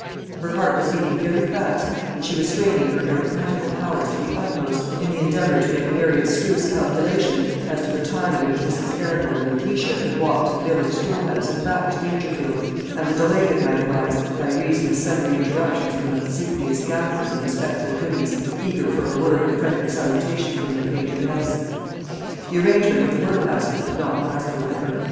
Her heart was beating very fast, and she was straining her arithmetical powers to the uttermost, in the endeavour to make a very abstruse calculation as to the time in which Mrs. Arundel and Letitia could walk to the village schoolhouse and back to Dangerfield, and the delay that might arise by reason of sundry interruptions from obsequious gaffers and respectful goodies, eager for a word of friendly salutation from their patroness. The arrangement of the workbasket could not last for ever.